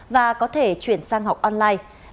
và có thể chuyển sang học online